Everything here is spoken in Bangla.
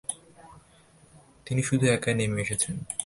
তিনি শুধু একা নেমে এসেছেন।